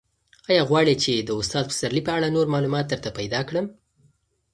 ایا غواړې چې د استاد پسرلي په اړه نور معلومات درته پیدا کړم؟